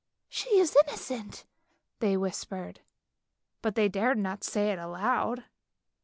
She is innocent!" they whispered, but they dared not say it aloud.